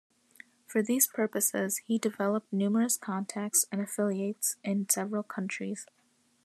For these purposes he developed numerous contacts and affiliates in several countries.